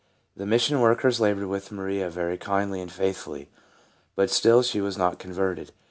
The mission workers labored with Maria very kindly and faithfully, but still she was not converted.